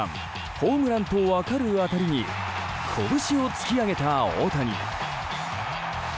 ホームランと分かる当たりにこぶしを突き上げた大谷。